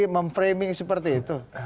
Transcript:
memframing seperti itu